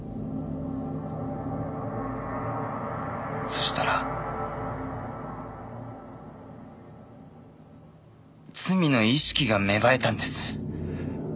そしたら罪の意識が芽生えたんです。